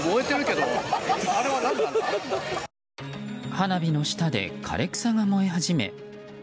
花火の下で枯れ草が燃え始め。